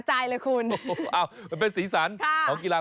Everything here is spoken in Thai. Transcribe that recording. จะได้อารมณ์ดี